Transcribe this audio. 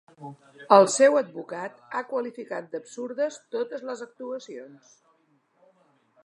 El seu advocat ha qualificat d’absurdes totes les acusacions.